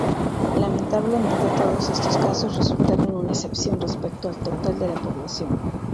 Lamentablemente todos estos casos resultaron una excepción respecto al total de la población.